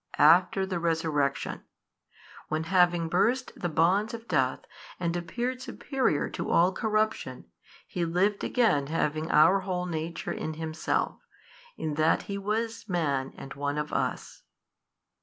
after the Resurrection, when having burst the bonds of death and appeared superior to all corruption, He lived again having our whole nature in Himself, in that He was Man and One of us.